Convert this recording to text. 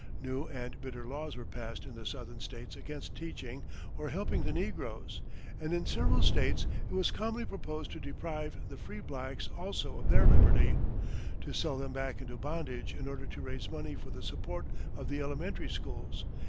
New and bitter laws were passed in the Southern States against teaching or helping the negroes; and in several States it was calmly proposed to deprive the free blacks also of their liberty, to sell them back into bondage in order to raise money for the support of the elementary schools.